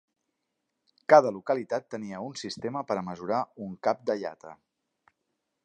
Cada localitat tenia un sistema per a mesurar un cap de llata.